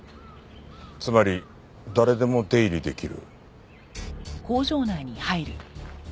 つまり誰でも出入りできる。